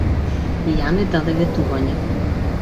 Јане даде ветување.